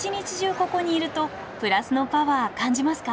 ここにいるとプラスのパワー感じますか？